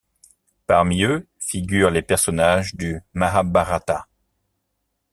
Parmi eux figurent les personnages du Mahābhārata.